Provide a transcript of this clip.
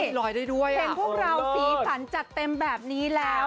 เห็นพวกเราสีฝันจัดเต็มแบบนี้แล้ว